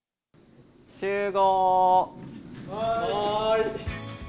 集合！